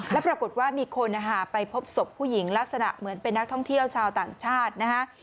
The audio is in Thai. แล้วปรากฏว่ามีคนไปพบศพผู้หญิงลักษณะเหมือนเป็นนักท่องเที่ยวชาวต่างชาตินะฮะ